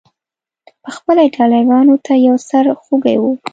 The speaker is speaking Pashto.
پخپله ایټالویانو ته یو سر خوږی و.